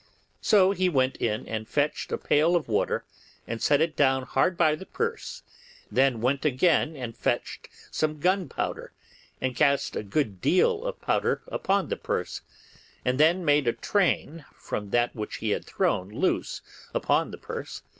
So he went in and fetched a pail of water and set it down hard by the purse, then went again and fetch some gunpowder, and cast a good deal of powder upon the purse, and then made a train from that which he had thrown loose upon the purse.